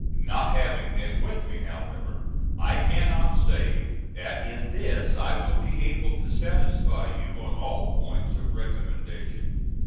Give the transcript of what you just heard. Not having them with me, however, I cannot say that in this I will be able to satisfy you on all points of recommendation.